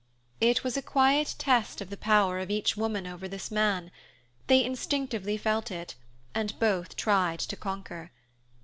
It was a quiet test of the power of each woman over this man; they instinctively felt it, and both tried to conquer.